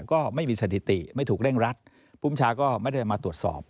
ก็ไม่มีสถิติไม่ถูกเร่งรัดภูมิชาก็ไม่ได้มาตรวจสอบ